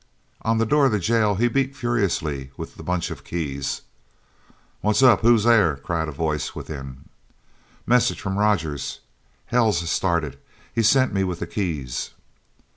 On the door of the jail he beat furiously with the bunch of keys. "What's up? Who's there?" cried a voice within. "Message from Rogers. Hell's started! He's sent me with the keys!"